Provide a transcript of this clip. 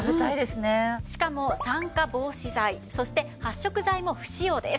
しかも酸化防止剤そして発色剤も不使用です。